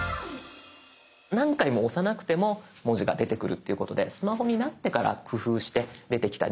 何回も押さなくても文字が出てくるっていうことでスマホになってから工夫して出てきた入力方式です。